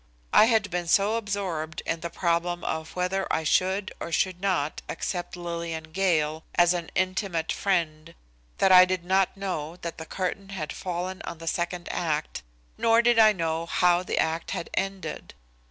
I had been so absorbed in the problem of whether I should or should not accept Lillian Gale as an intimate friend that I did not know that the curtain had fallen on the second act, nor did I know how the act had ended.